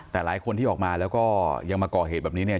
แต่หลายคนที่ออกมาแล้วก็ยังมาก่อเหตุแบบนี้เนี่ย